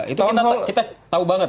itu kita tahu banget